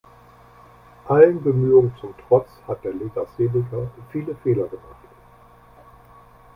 Allen Bemühungen zum Trotz hat der Legastheniker viele Fehler gemacht.